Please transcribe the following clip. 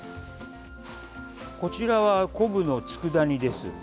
こちらは昆布のつくだ煮です。